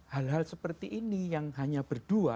hal hal seperti ini yang hanya berdua